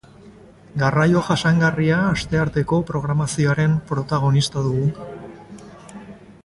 Garraio jasangarria astearteko programazioaren protagonista dugu.